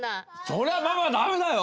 それはママダメだよ！